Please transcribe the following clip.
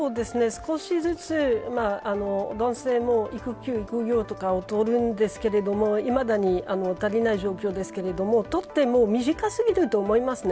少しずつ男性も育休、育業とかを取るんですがいまだに足りない状況ですが取っても短か過ぎると思います。